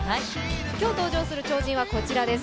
今日、登場する超人はこちらです。